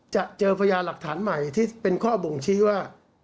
จะเจอพญาหลักฐานใหม่ที่เป็นข้อบ่งชี้ว่า